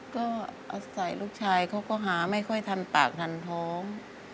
ก็อาศัยลูกชายเขาก็หาไม่ค่อยทันปากทันท้อง